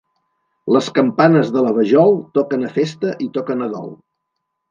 Les campanes de la Vajol toquen a festa i toquen a dol.